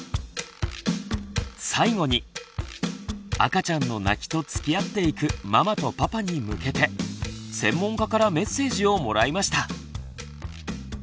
最後に赤ちゃんの泣きとつきあっていくママとパパに向けて専門家からメッセージをもらいました。